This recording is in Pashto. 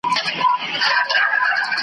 د بچو خالي ځالۍ ورته ښکاره سوه .